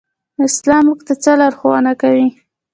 اسلام موږ ته څه لارښوونه کوي؟